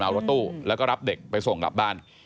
เอารถตู้แล้วก็รับเด็กไปส่งกลับบ้าน